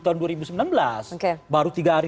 tahun dua ribu sembilan belas baru tiga hari